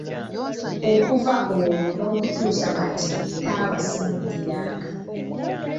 Okuva olwo n'okutuusa kati taaba simuddiranga.